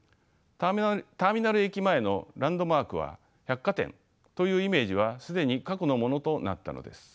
ターミナル駅前のランドマークは百貨店というイメージは既に過去のものとなったのです。